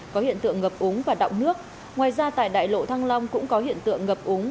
có hiện tượng ngập úng và đọng nước ngoài ra tại đại lộ thăng long cũng có hiện tượng ngập úng